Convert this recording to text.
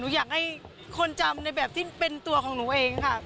อยากให้คนจำในแบบที่เป็นตัวของหนูเองค่ะ